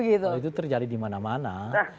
kalau itu terjadi di mana mana